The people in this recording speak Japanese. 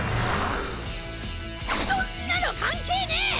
そんなの関係ねえ！